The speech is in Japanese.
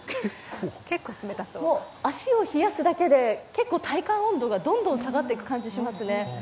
足を冷やすだけで、結構、体感温度がどんどん下がる気がします。